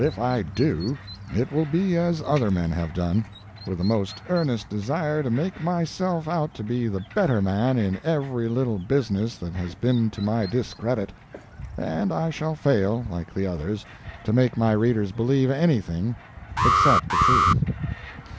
"If I do, it will be as other men have done—with the most earnest desire to make myself out to be the better man in every little business that has been to my discredit; and I shall fail, like the others, to make my readers believe anything except the truth."